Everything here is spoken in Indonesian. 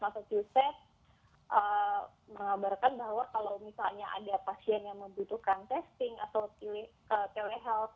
kasus uset mengabarkan bahwa kalau misalnya ada pasien yang membutuhkan testing atau telehealth